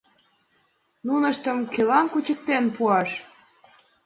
Нуныштым кӧлан кучыктен пуаш?